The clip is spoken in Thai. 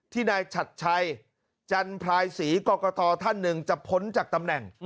นายชัดชัยจันพลายศรีกรกตท่านหนึ่งจะพ้นจากตำแหน่ง